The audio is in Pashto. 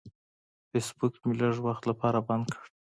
فیسبوک مې لږ وخت لپاره بند کړ.